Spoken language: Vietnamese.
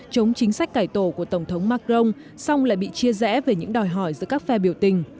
chống chính sách cải tổ của tổng thống macron xong lại bị chia rẽ về những đòi hỏi giữa các phe biểu tình